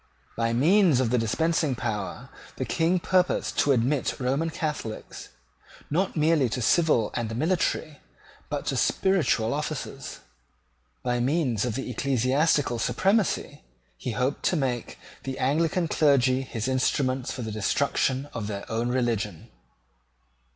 By means of the dispensing power the King purposed to admit Roman Catholics, not merely to civil and military, but to spiritual, offices. By means of the ecclesiastical supremacy he hoped to make the Anglican clergy his instruments for the destruction of their own religion.